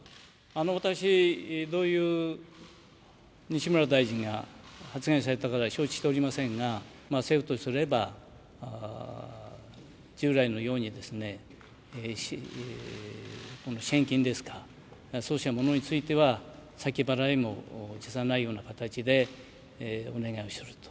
私、どういう、西村大臣が発言されたか承知しておりませんが、政府とすれば従来のようにですね、支援金ですか、そうしたものについては、先払いも辞さないような形でお願いをすると。